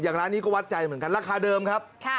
ร้านนี้ก็วัดใจเหมือนกันราคาเดิมครับ